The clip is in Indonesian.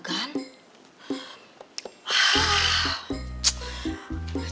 kalau bibitnya cerita soal ini